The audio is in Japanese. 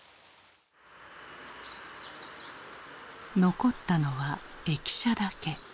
残ったのは駅舎だけ。